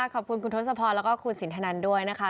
ขอบคุณคุณทศพรแล้วก็คุณสินทนันด้วยนะคะ